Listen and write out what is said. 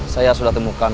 saya sudah temukan